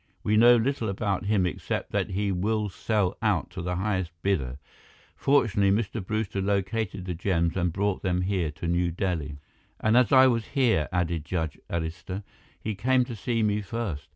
We know little about him, except that he will sell out to the highest bidder. Fortunately, Mr. Brewster located the gems and brought them here to New Delhi." "And as I was here," added Judge Arista, "he came to see me first.